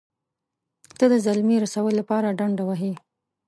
ته د زلمي رسول لپاره ډنډه وهې.